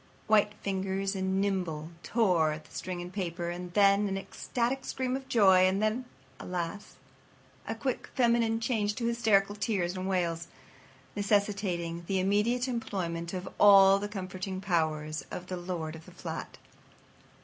White fingers and nimble tore at the string and paper. And then an ecstatic scream of joy; and then, alas! a quick feminine change to hysterical tears and wails, necessitating the immediate employment of all the comforting powers of the lord of the flat.